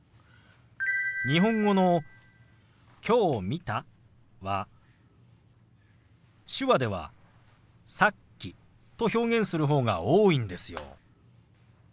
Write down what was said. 日本語の「きょう見た」は手話では「さっき」と表現する方が多いんですよ。